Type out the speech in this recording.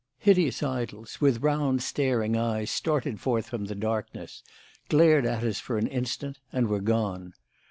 Hideous idols with round, staring eyes started forth from the darkness, glared at us for an instant and were gone.